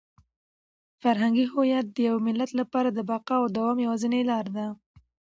فرهنګي هویت د یو ملت لپاره د بقا او د دوام یوازینۍ لاره ده.